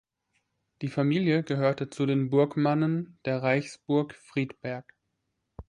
Die Familie gehörte zu den Burgmannen der Reichsburg Friedberg.